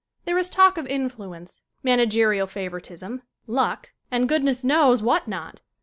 There is talk of influence, mana gerial favoritism, luck and, goodness knows, what not?